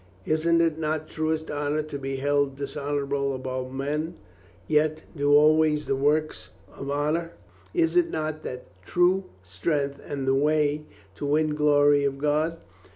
Is't not truest honor to be held dishonora ble among men, yet do always the works of honor? Is not that true strength and the way to win glory of God?"